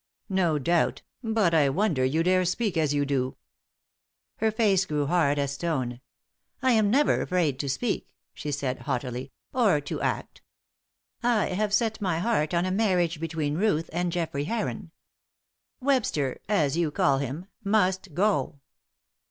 "No doubt, but I wonder you dare speak as you do." Her face grew hard as stone. "I am never afraid to speak," she said, haughtily, "or to act. I have set my heart on a marriage between Ruth and Geoffrey Heron. Webster as you call him must go."